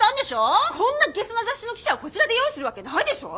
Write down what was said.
こんなゲスな雑誌の記者をこちらで用意するわけないでしょ！